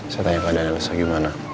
saya tanya ke adanya lhasa gimana